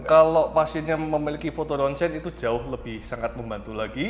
kalau pasiennya memiliki foto ronsen itu jauh lebih sangat membantu lagi